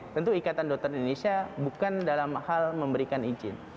tentu ikatan dokter indonesia bukan dalam hal memberikan izin